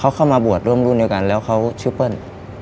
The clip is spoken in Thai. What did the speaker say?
เขาเข้ามาบวชร่วมรุ่นเดียวกันแล้วเขาชื่อเปิ้ล